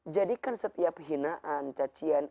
jadikan setiap hinaan caciannya